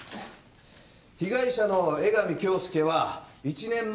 被害者の江上恭介は１年前に離婚。